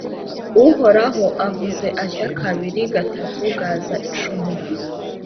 Uhoraho avuze atya Kabiri gatatu Gaza icumura